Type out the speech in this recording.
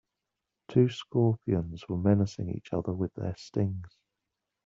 Two scorpions were menacing each other with their stings.